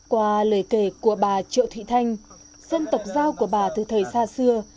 qua lời kể của bà triệu thị thanh dân tộc giao của bà từ thời xa xưa